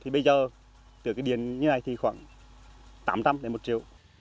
bây giờ từ cái điện như này thì khoảng tám tăm đến một triệu